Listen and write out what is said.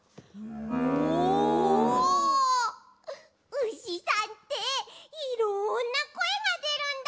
うしさんっていろんなこえがでるんだ。